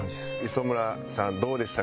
磯村さんどうでした？